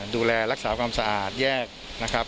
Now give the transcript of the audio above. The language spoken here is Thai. ดูแลรักษาความสะอาดแยกนะครับ